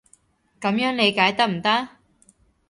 噉樣理解得唔得？